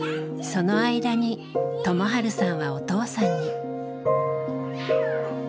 その間に友治さんはお父さんに。